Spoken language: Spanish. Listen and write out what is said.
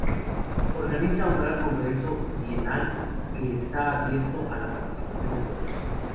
Organiza un gran Congreso bienal que está abierto a la participación de todos.